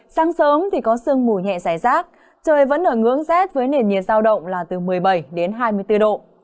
sáng sớm thì có sương mù nhẹ giải rác trời vẫn ở ngưỡng rét với nền nhiệt giao động là từ một mươi bảy đến hai mươi bốn độ